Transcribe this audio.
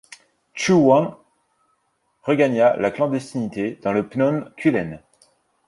Chhuon regagna la clandestinité dans le Phnom Kulen.